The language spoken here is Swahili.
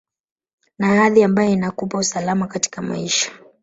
na hadhi ambayo inakupa usalama katika maisha